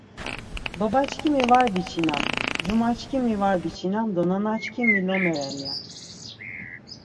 Baba çkimi var biçinam, cuma çkimi var biçinam do nana çkimi lome ren ya.